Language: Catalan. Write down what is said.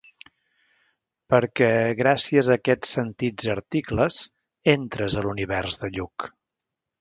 Perquè, gràcies a aquests sentits articles "entres" a l'univers de "Lluch".